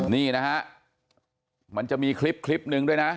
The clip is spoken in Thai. นี่นะฮะมันจะมีคลิปหนึ่งด้วยนะ